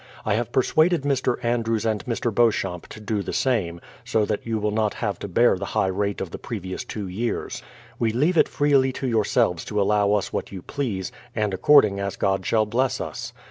I have persuaded Mr. Andrews and Mr. Beauchamp to do the same, so that you will not have to bear the high rate of the previous two years. We leave it freely to yourselves to allow us what you please, and according as God shall bless us.